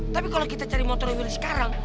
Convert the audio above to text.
tapi kalau kita cari motor milik sekarang